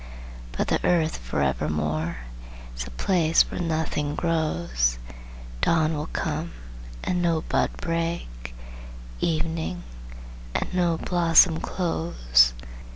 But the Earth forevermore Is a place where nothing grows, Dawn will come, and no bud break; Evening, and no blossom close.